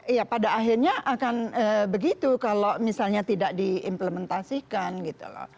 iya pada akhirnya akan begitu kalau misalnya tidak diimplementasikan gitu loh